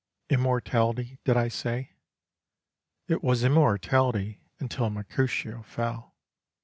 Immortality, did I say? It was immortality until Mercutio fell.